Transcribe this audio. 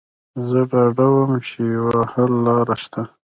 زه ډاډه وم چې یوه حل لاره شته